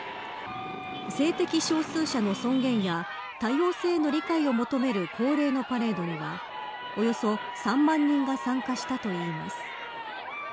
性的少数者の尊厳や多様性への理解を求める恒例のパレードにはおよそ３万人が参加したといいます。